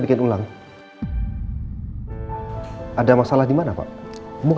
hermit lana ini bagaimana pak